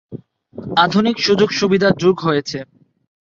আধুনিক সুযোগ-সুবিধা যোগ হয়েছে।